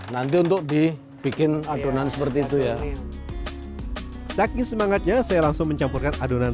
nanti untuk dibikin adonan seperti itu ya sakit semangatnya saya langsung mencampurkan adonan